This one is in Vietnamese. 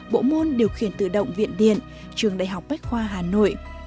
bộ môn điều khiển tự động viện điện trường đại học bách khoa hà nội